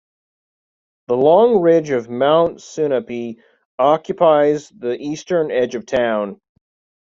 The long ridge of Mount Sunapee occupies the eastern edge of town.